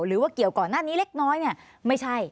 หรือว่าเกี่ยวก่อนหน้านี้เล็กน้อยเนี่ยไม่ใช่